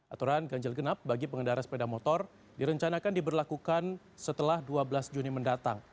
aturan ganjil genap bagi pengendara sepeda motor direncanakan diberlakukan setelah dua belas juni mendatang